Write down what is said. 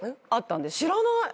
何で知らないの？